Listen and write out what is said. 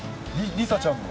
梨紗ちゃんも？